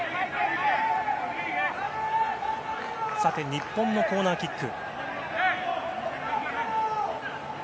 日本のコーナーキック。